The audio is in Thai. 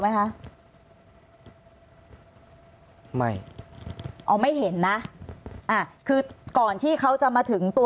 ไหมคะไม่เอาไม่เห็นนะอ่าคือก่อนที่เขาจะมาถึงตัว